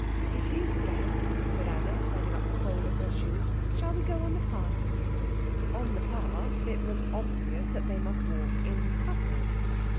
"It is damp," said Anna, turning up the sole of her shoe. "Shall we go on to the path?" On the path it was obvious that they must walk in couples.